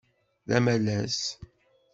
D amalas.